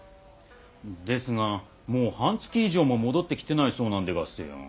ですがもう半月以上も戻ってきてないそうなんでがすよ。